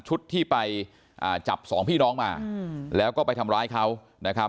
ชุดที่ไปจับสองพี่น้องมาแล้วก็ไปทำร้ายเขา